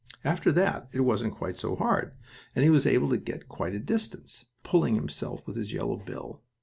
After that it wasn't quite so hard, and he was able to get up quite a distance, pulling himself with his yellow bill.